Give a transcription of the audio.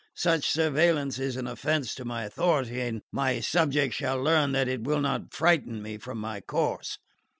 Such surveillance is an offence to my authority, and my subjects shall learn that it will not frighten me from my course."